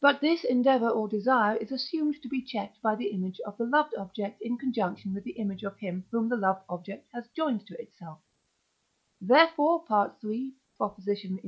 But this endeavour or desire is assumed to be checked by the image of the loved object in conjunction with the image of him whom the loved object has joined to itself; therefore (III. xi.